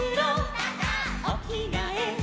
「おきがえ」